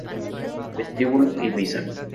Vestíbulo Ibiza